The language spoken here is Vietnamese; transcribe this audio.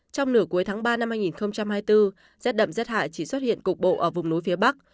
trong nửa cuối tháng ba năm hai nghìn hai mươi bốn rét đậm rét hại chỉ xuất hiện cục bộ ở vùng núi phía bắc